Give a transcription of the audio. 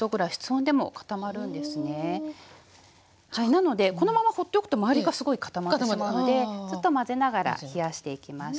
なのでこのまま放っておくとまわりがすごい固まってしまうのでずっと混ぜながら冷やしていきましょう。